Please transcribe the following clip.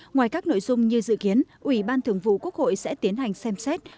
ngoài các nội dung như dự kiến ủy ban thường vụ quốc hội sẽ tiến hành xem xét